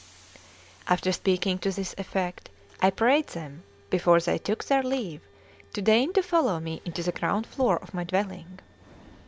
After speaking to this effect, I prayed them, before they took their leave, to deign to follow me into the ground floor of my dwelling.